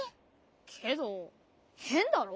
けどへんだろ？